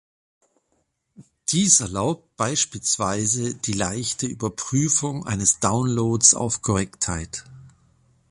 Dies erlaubt beispielsweise die leichte Überprüfung eines Downloads auf Korrektheit.